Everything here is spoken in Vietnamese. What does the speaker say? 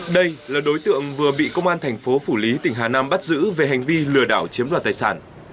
đây là đối tượng vừa bị công an thành phố phủ lý tỉnh hà nam bắt giữ về hành vi lừa đảo chiếm đoạt tài sản